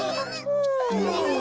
うん。